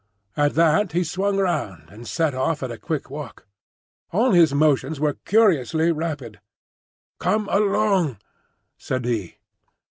At that he swung round, and set off at a quick walk. All his motions were curiously rapid. "Come along," said he.